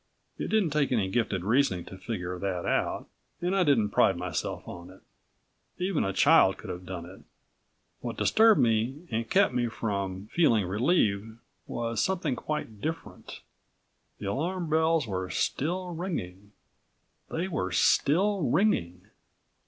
It didn't take any gifted reasoning to figure that out and I didn't pride myself on it. Even a child could have done it. What disturbed me and kept me from feeling relieved was something quite different. The alarm bells were still ringing. _They were still ringing.